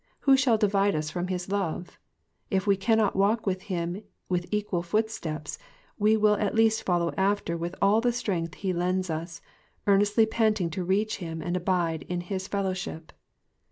Who shall divide us from his love ? If we cannot walk with him with equal footsteps, we will at least follow after with all the strength he lends us, earnestly panting to reach him and abide in his fellowship.